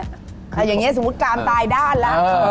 อย่างนี้สมมุติการตายด้านแล้ว